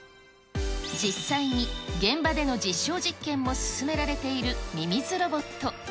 実際に現場での実証実験も進められているミミズロボット。